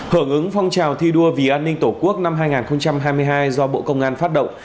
hưởng ứng phong trào thi đua vì an ninh tổ quốc năm hai nghìn hai mươi hai do bộ công an phát động